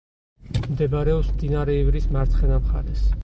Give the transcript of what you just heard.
მდებარეობს მდინარე ივრის მარცხენა მხარეს.